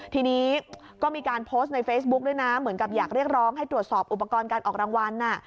ทีนี้ก็มีการโพสต์ในเฟซบุ๊กด้วยนะเหมือนกับอยากเรียกร้องให้ตรวจสอบอุปกรณ์การออกรางวัล